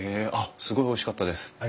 すごいおいしかったです。